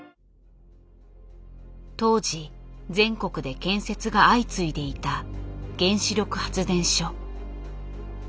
当時全国で建設が相次いでいた原子力発電所。